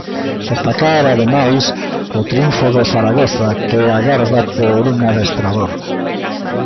Destacar, ademais, o triunfo do Zaragoza, que agarda por un adestrador.